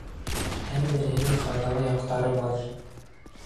Һәр береһенең файҙалы яҡтары бар.